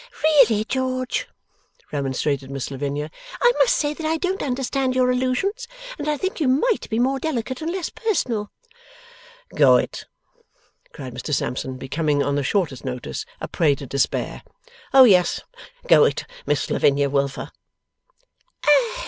'Really, George,' remonstrated Miss Lavinia, 'I must say that I don't understand your allusions, and that I think you might be more delicate and less personal.' 'Go it!' cried Mr Sampson, becoming, on the shortest notice, a prey to despair. 'Oh yes! Go it, Miss Lavinia Wilfer!